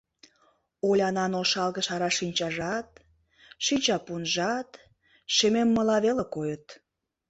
Олянан ошалге шара шинчажат, шинчапунжат шемеммыла веле койыт.